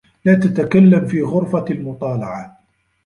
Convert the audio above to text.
لا تتكلم في غرفة المطالعة.